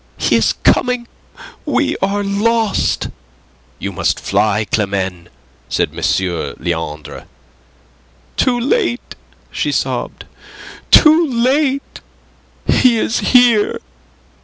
"He is coming! We are lost!" "You must fly, Climene!" said M. Leandre. "Too late!" she sobbed. "Too late! He is here."